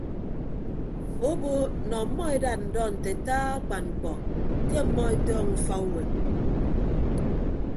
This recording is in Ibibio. Obo nọ ọmmọ edat ndọ nte ataa akpan mkpọ ke ọmmọ etọọñọ ufa uwem.